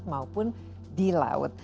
maupun di laut